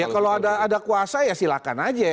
kalau ada kuasa ya silakan aja